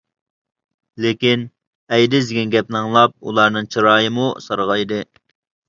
لېكىن ئەيدىز دېگەن گەپنى ئاڭلاپ ئۇلارنىڭ چىرايىمۇ سارغايدى.